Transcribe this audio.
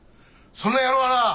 そんな野郎はな